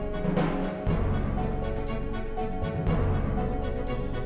tidak ada apa apa